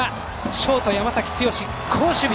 ショート山崎剛、好守備。